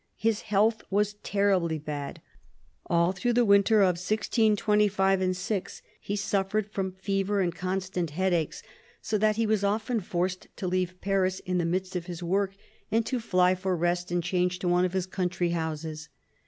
His health was terribly bad. All through the winter of 1625 6 he suffered from fever and constant headaches, so that he was often forced to leave Paris in the midst of his work and to fly for rest 1 62 CARDINAL DE RICHELIEU and change to one of his country houses.